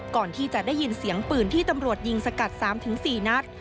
ก่อนที่จะได้ยินเสียงปืนที่ตำรวจยิงสกัด๓๔นัด